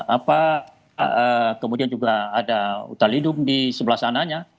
apa kemudian juga ada hutan lindung di sebelah sananya